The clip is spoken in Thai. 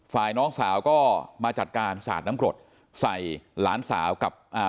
ฝ่ายน้องสาวก็มาจัดการสาดน้ำกรดใส่หลานสาวกับอ่า